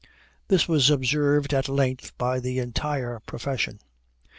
This was observed at length by the entire profession.